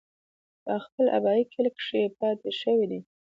پۀ خپل ابائي کلي کښې پاتې شوے دے ۔